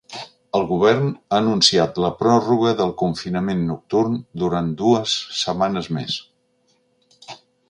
El govern ha anunciat la pròrroga del confinament nocturn durant dues setmanes més.